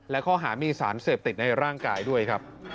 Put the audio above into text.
และข้อหามีสารเสพติดในร่างกายด้วยครับ